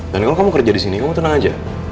dan kalau kamu kerja disini kamu tenang aja